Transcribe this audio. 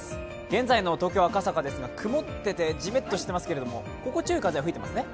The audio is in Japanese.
現在の東京・赤坂ですが曇っていて、じめっとしていますが心地よい風は吹いていますね。